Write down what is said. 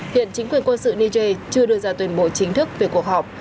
hiện chính quyền quân sự niger chưa đưa ra tuyên bố chính thức về cuộc họp